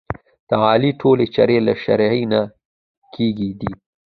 د علي ټولې چارې له شرعې نه کېږي دي.